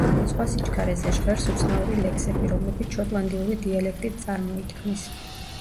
სხვა სიჩქარეზე ჟღერს უცნაური ლექსები, რომლებიც შოტლანდიური დიალექტით წარმოითქმის.